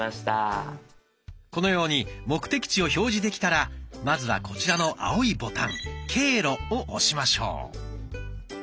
このように目的地を表示できたらまずはこちらの青いボタン「経路」を押しましょう。